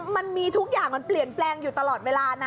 มันมีทุกอย่างมันเปลี่ยนแปลงอยู่ตลอดเวลานะ